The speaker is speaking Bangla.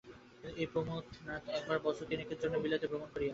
এই প্রমথনাথ একবার বছরতিনেকের জন্য বিলাতে ভ্রমণ করিয়া আসিয়াছিলেন।